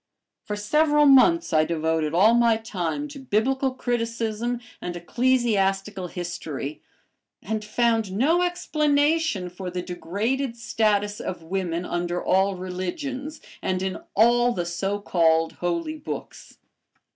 For several months I devoted all my time to Biblical criticism and ecclesiastical history, and found no explanation for the degraded status of women under all religions, and in all the so called "Holy Books."